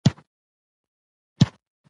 همېشه وي ګنډکپانو غولولی